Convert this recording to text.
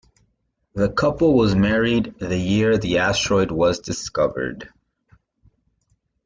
The couple was married the year the asteroid was discovered.